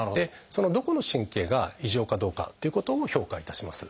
どこの神経が異常かどうかっていうことを評価いたします。